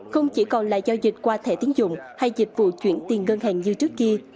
không chỉ còn là giao dịch qua thẻ tiến dụng hay dịch vụ chuyển tiền ngân hàng như trước kia